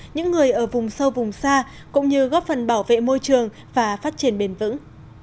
những người ở vùng sâu vùng xa cũng như góp phần bảo vệ môi trường và phát triển bền vững